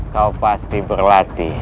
kau pasti berlatih